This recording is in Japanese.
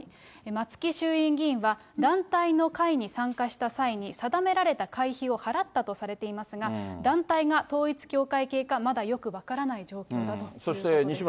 松木衆院議員は、団体の会に参加した際に、定められた会費を払ったとされていますが、団体が統一教会系かまだよく分からない状況だということです。